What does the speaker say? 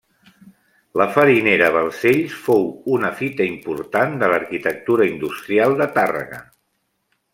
La farinera Balcells fou una fita important de l'arquitectura industrial de Tàrrega.